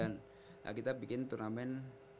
nah kita bikin turnamen